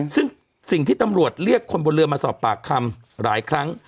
ซึ่งสิ่งที่ตำรวจเรียกคนบนเรือมาสอบปากคำหลายครั้ง